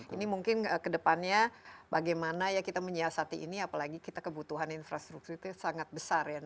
ini mungkin kedepannya bagaimana ya kita menyiasati ini apalagi kita kebutuhan infrastruktur itu sangat besar ya